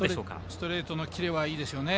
ストレートのキレはいいですよね。